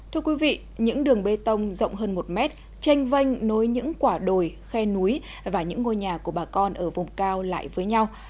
thưa quý vị những đường bê tông rộng hơn một mét tranh vanh nối những quả đồi khe núi và những ngôi nhà của bà con ở vùng cao lại với nhau